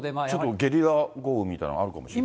ちょっとゲリラ豪雨みたいなのがあるかもしれない。